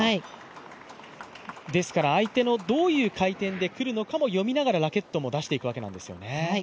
相手のどういう回転で来るのかも読みながらラケットも出していくわけなんですよね。